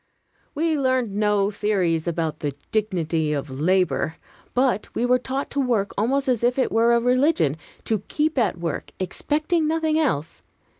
We learned no theories about "the dignity of labor," but we were taught to work almost as if it were a religion; to keep at work, expecting nothing else.